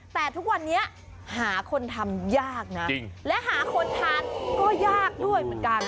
แต่ทุกวันนี้หาคนทำยากนะจริงและหาคนทานก็ยากด้วยเหมือนกัน